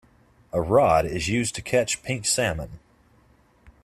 A rod is used to catch pink salmon.